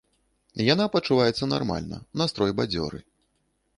Яна пачуваецца нармальна, настрой бадзёры.